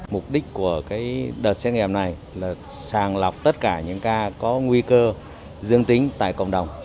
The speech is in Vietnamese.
mục đích của đợt xét nghiệm này là sàng lọc tất cả những ca có nguy cơ dương tính tại cộng đồng